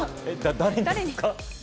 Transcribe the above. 誰にですか？